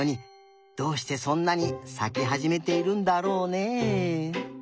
どうしてそんなにさきはじめているんだろうね。